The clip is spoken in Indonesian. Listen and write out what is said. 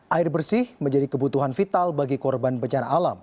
air bersih menjadi kebutuhan vital bagi korban bencana alam